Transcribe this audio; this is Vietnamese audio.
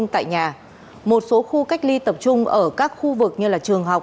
tại nhà một số khu cách ly tập trung ở các khu vực như trường học